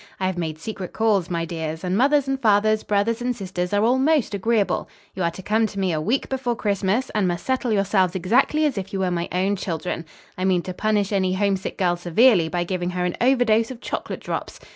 I have made secret calls, my dears, and mothers and fathers, brothers and sisters are all most agreeable. You are to come to me a week before Christmas and must settle yourselves exactly as if you were my own children. I mean to punish any homesick girl severely by giving her an overdose of chocolate drops.